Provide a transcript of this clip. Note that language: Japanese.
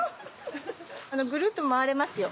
ぐるっと回れますよ